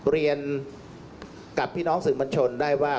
เรียนกับพี่น้องสื่อมวลชนได้ว่า